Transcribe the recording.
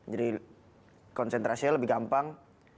jadi konsentrasi lebih gampang